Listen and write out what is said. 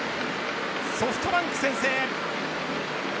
ソフトバンク先制。